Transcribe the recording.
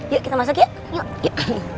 yuk kita masuk ya